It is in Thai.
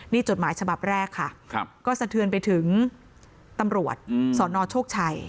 นี่จดหมายฉบับแรกค่ะก็สะเทือนไปถึงตำรวจสนโชคชัย